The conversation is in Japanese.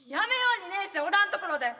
２年生おらんところで。